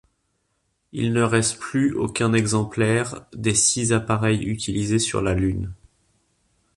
Il ne reste plus aucun exemplaire des six appareils utilisés sur la Lune.